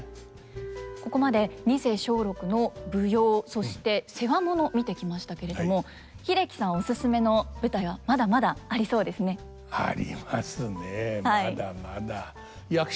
ここまで二世松緑の舞踊そして世話物見てきましたけれども英樹さんオススメの舞台はまだまだありそうですね。ありますね。